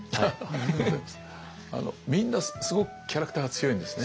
みんなすごくキャラクターが強いんですね。